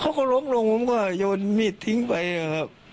เขาก็ล้มลงผมก็โยนมีดทิ้งไปนะครับ